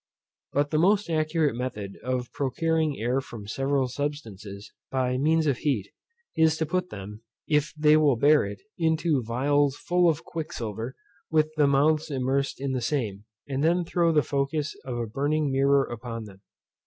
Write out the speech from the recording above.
But the most accurate method of procuring air from several substances, by means of heat, is to put them, if they will bear it, into phials full of quicksilver, with the mouths immersed in the same, and then throw the focus of a burning mirror upon them.